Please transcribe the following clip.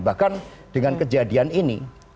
bahkan dengan kejadian ini